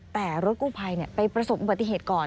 แต่รถกู้ภัยไปประสบอุบัติเหตุก่อน